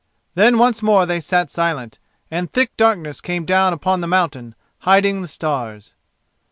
Then once more they sat silent; and thick darkness came down upon the mountain, hiding the stars.